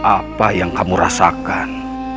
apa yang kamu rasakan